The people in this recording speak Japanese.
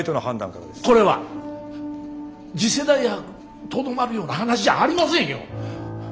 これは次世代博にとどまるような話じゃありませんよ！